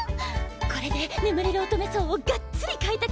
これで眠れる乙女層をがっつり開拓する予定！